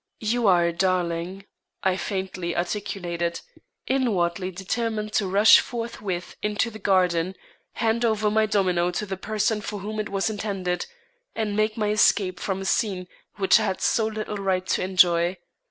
"You are a darling," I faintly articulated, inwardly determined to rush forthwith into the garden, hand over my domino to the person for whom it was intended, and make my escape from a scene which I had so little right to enjoy.